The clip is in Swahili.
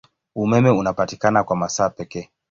Umeme unapatikana kwa masaa pekee.